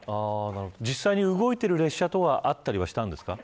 実際に動いている列車とかあったりしたんですか。